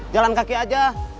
jalan kaki aja